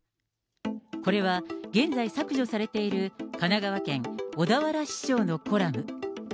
これは現在、削除されている神奈川県小田原市長のコラム。